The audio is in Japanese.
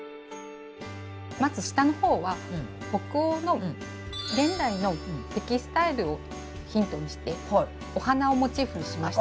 まず下の方は北欧の現代のテキスタイルをヒントにしてお花をモチーフにしました。